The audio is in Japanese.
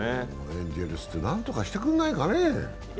エンゼルス何とかしてくれないかね。